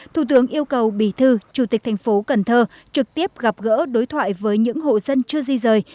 thủ tướng yêu cầu bì thư chủ tịch thành phố cần thơ trực tiếp gặp gỡ đối thoại với những hộ dân chưa di rời